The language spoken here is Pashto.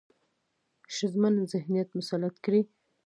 ښځمن ذهنيت مسلط کړي،